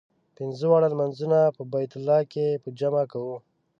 پنځه واړه لمونځونه په بیت الله کې په جمع کوو.